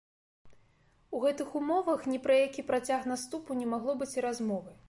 У гэтых умовах ні пра які працяг наступу не магло быць і размовы.